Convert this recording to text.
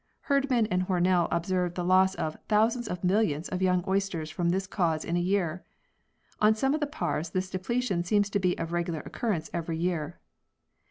Herdman and Hornell ob served the loss of "thousands of millions" of young oysters from this cause in a year. On some of the paars this depletion seems to be of regular occurrence every year.